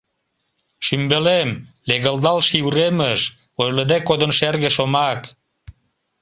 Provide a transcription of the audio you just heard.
Шӱмбелем, легылдал ший уремыш, Ойлыде кодын шерге шомак.